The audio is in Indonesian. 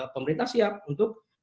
pemerintah siap untuk